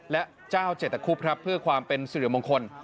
และเจ้าเจตคุบครับเพื่อความเป็นสิริมงคล